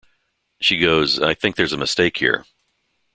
She goes I think there's a mistake here.